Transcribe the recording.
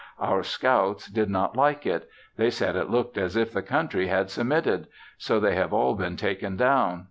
Our scouts did not like it; they said it looked as if the country had submitted, so they have all been taken down.